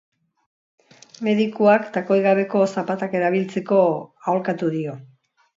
Medikuak takoi gabeko zapatak erabiltzeko aholkatu dio.